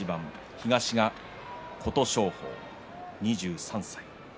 東が琴勝峰２３歳。